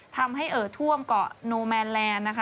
ทำให้เอิร์ดท่วมเกาะโนแมนแลนด์